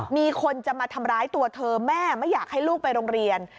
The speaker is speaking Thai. มีคนจะมาทำร้ายตัวเธอแม่ไม่อยากให้ลูกไปโรงเรียน